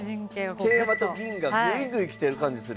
桂馬と銀がグイグイ来てる感じする。